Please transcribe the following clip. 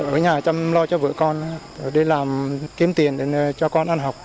ở nhà chăm lo cho vợ con để làm kiếm tiền cho con ăn học